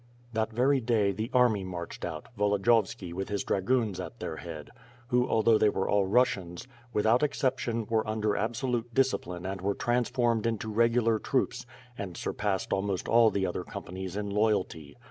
That very day, the army marched out, Volodiyovski with his dragoons at their head, who although they were all Rus sians, without exception, were under absolute discipline and were transformed into regular troops, and surpassed almost all the other companies in loyalty.